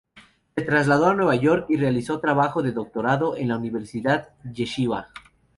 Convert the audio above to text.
Se trasladó a Nueva York y realizó trabajo de doctorado en la Universidad Yeshiva.